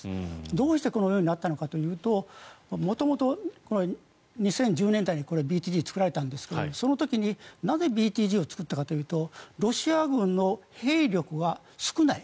どうしてこのようになったのかというと元々、２０１０年代にＢＴＧが作られたんですがその時になぜ、ＢＴＧを作ったかというとロシア軍の兵力は少ない。